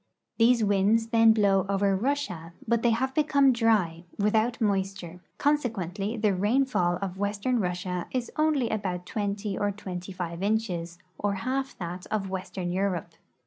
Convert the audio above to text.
These Avinds then RUSSIA IN EUROPE 9 blow over Russia, but they have become cUy, without moisture ; consequently the rainfall of western Russia is only about twenty or twenty five inches, or half that of western Europe.